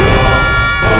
lu apa tuh kak